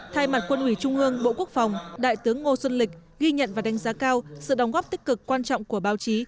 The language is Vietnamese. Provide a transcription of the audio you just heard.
thay mặt quân ủy trung ương bộ quốc phòng đại tướng ngô xuân lịch ghi nhận và đánh giá cao sự đóng góp tích cực quan trọng của báo chí